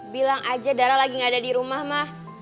bilang aja dara lagi gak ada di rumah mah